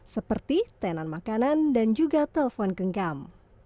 seperti tenan makanan dan juga telpon genggam